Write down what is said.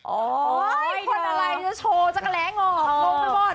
โอ้ยคนอะไรจะโชว์จักรแรงงอก